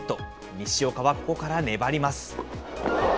西岡はここから粘ります。